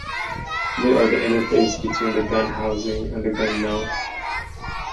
They are the interface between the gun housing and the gun mount.